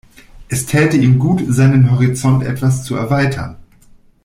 Es täte ihm gut, seinen Horizont etwas zu erweitern.